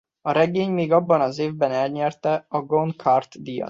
A regény még abban az évben elnyerte a Goncourt-díjat.